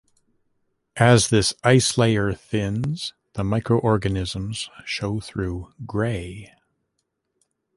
As this ice layer thins, the microorganisms show through grey.